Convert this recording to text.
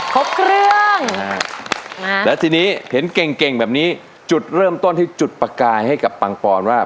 ครบเครื่องแล้วทีนี้เห็นเก่งเก่งแบบนี้จุดเริ่มต้นที่จุดประกายให้กับปังปอนว่า